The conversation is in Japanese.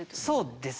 そうですね。